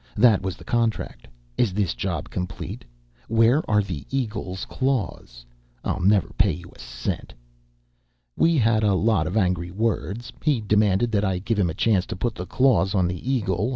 'That was the contract. Is this job complete? Where are the eagle's claws? I'll never pay you a cent!' "We had a lot of angry words. He demanded that I give him a chance to put the claws on the eagle.